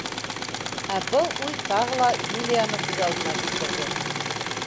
Ә был уй тағы ла Юлияны күҙ алдына килтерҙе.